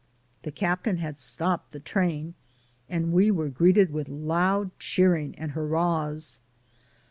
The captain had stopped the train, and we were greeted with loud cheering and hurrahs.